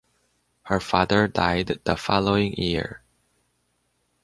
Her father died the following year.